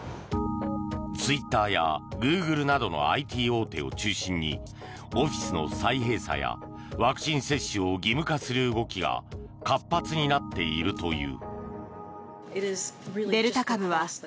ツイッターやグーグルなどのＩＴ大手を中心にオフィスの再閉鎖やワクチン接種を義務化する動きが活発になっているという。